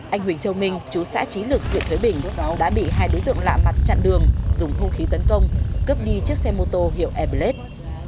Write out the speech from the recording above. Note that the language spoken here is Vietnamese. anh huỳnh châu minh chú xã trí lực huyện thới bình lúc đó đã bị hai đối tượng lạ mặt chặn đường dùng hung khí tấn công cướp đi chiếc xe mô tô hiệu airblade